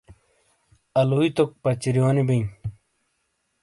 آلویئ توک پچرونی بئے